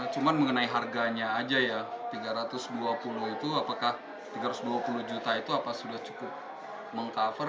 cuma mengenai harganya aja ya rp tiga ratus dua puluh itu apakah tiga ratus dua puluh juta itu apa sudah cukup meng cover